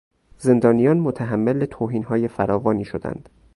زندانیان متحمل توهینهای فراوانی شدند.